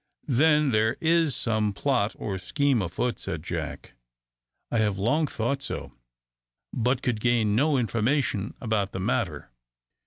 "Then there is some plot or scheme afoot?" said Jack. "I have long thought so, but could gain no information about the matter."